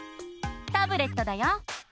タブレットだよ！